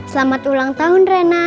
selamat ulang tahun reina